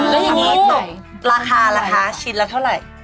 อ๋อแล้วอย่างนี้ละค่าชิ้นแล้วเท่าไหร่